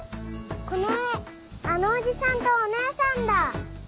この絵あのおじさんとお姉さんだ！